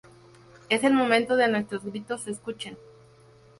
Es el momento de nuestros gritos se escuchen"".